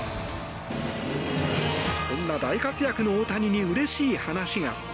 そんな大活躍の大谷にうれしい話が。